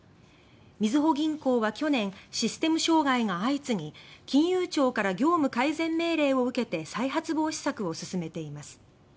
みずほ銀行は去年システム障害が相次ぎ金融庁から業務改善命令を受けて再発防止策を進めています。